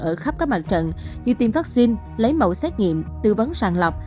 ở khắp các mặt trận như tiêm vaccine lấy mẫu xét nghiệm tư vấn sàng lọc